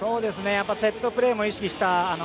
セットプレーも意識した。